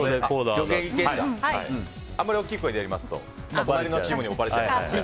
あまり大きい声で話しますと隣のチームにばれちゃいますから。